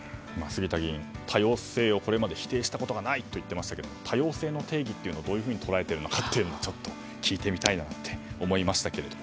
杉田議員、多様性をこれまで否定したことがないと言っていましたが多様性の定義っていうのをどういうふうに捉えているのかを聞いてみたいなと思いましたけど。